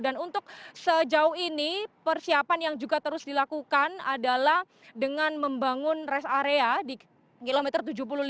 dan untuk sejauh ini persiapan yang juga terus dilakukan adalah dengan membangun rest area di kilometer tujuh puluh lima